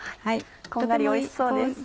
こんがりおいしそうです。